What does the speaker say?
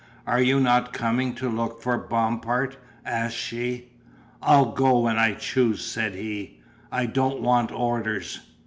"Are you not coming to look for Bompard?" asked she. "I'll go when I choose," said he, "I don't want orders."